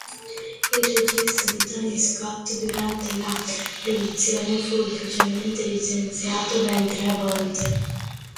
Il regista Tony Scott durante la produzione fu ufficialmente licenziato ben tre volte.